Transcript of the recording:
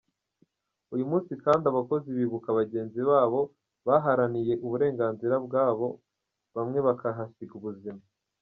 Uyu umunsi kandi abakozi bibuka bagenzi babo baharaniye uburenganzira bwabo bamwe bakahasiga ubuzima.